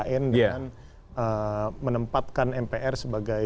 dengan menempatkan mpr sebagai